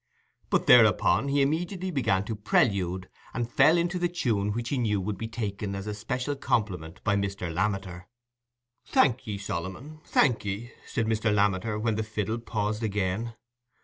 But thereupon he immediately began to prelude, and fell into the tune which he knew would be taken as a special compliment by Mr. Lammeter. "Thank ye, Solomon, thank ye," said Mr. Lammeter when the fiddle paused again.